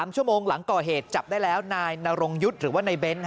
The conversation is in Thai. ๓ชั่วโมงหลังก่อเหตุจับได้แล้วนายนรงยุทธ์หรือว่านายเบ้น